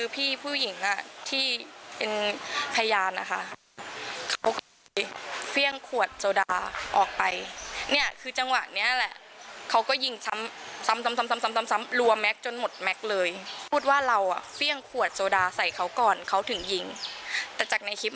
พ่อพูดพยายามขอล้องพอชีวิตนะพี่